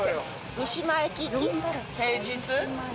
三島駅平日。